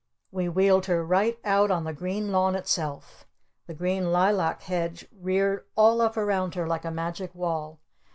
We wheeled her right out on the green lawn itself! The green lilac hedge reared all up around her like a magic wall!